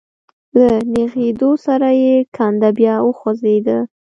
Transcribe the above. له نېغېدو سره يې کنده بيا وخوځېده.